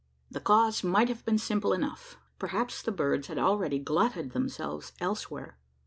The cause might have been simple enough: perhaps the birds had already glutted themselves elsewhere?